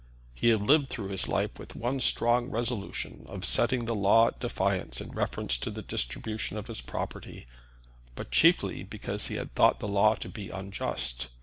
He had lived through his life with the one strong resolution of setting the law at defiance in reference to the distribution of his property; but chiefly because he had thought the law to be unjust.